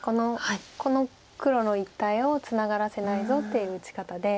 この黒の一帯をツナがらせないぞっていう打ち方で。